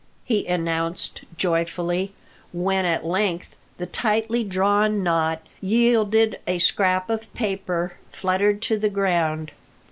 he announced joyfully, when at length the tightly drawn knot yielded, and a scrap of paper fluttered to the ground.